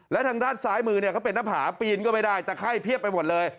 และทางด้านซ้ายมือเนี่ยเขาเป็นหน้าผาปีนก็ไม่ได้ตะไข้เพียบไปหมดเลย